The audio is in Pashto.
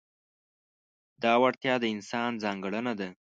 دا وړتیا د انسان ځانګړنه ده.